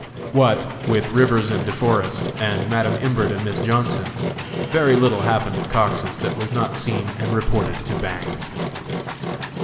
What, with Rivers and De Forest, and Madam Imbert and Miss Johnson, very little happened at Cox's that was not seen and reported to Bangs.